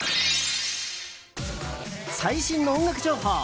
最新の音楽情報！